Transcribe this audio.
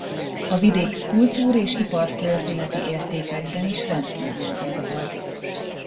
A vidék kultúr- és ipartörténeti értékekben is rendkívül gazdag.